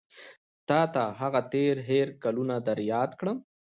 تا ته هغه تېر هېر کلونه در یاد کړم.